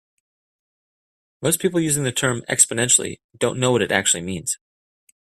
Most people using the term "exponentially" don't know what it actually means.